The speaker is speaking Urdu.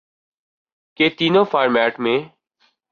کہ تینوں فارمیٹ میں